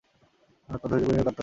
হাত পা ধইর্যা কত কাঁদনু।